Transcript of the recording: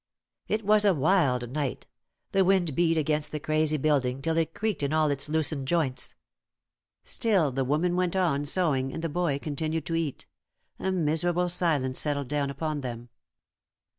It was a wild night. The wind beat against the crazy building till it creaked in all its loosened joints. Still the woman went on sewing, and the boy continued to eat. A miserable silence settled down upon them.